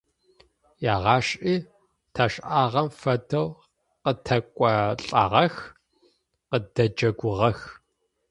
Егъашӏи ташӏагъэм фэдэу къытэкӏолӏагъэх, къыддэджэгугъэх.